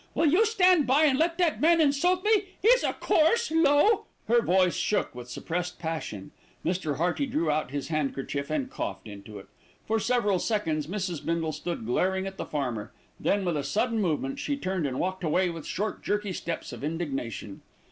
"Will you stand by and let that man insult me? He's a coarse, low " Her voice shook with suppressed passion. Mr. Hearty drew out his handkerchief and coughed into it. For several seconds Mrs. Bindle stood glaring at the farmer, then, with a sudden movement, she turned and walked away with short, jerky steps of indignation.